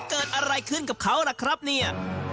เกิดอะไรขึ้นกับเขาล่ะครับเนี่ย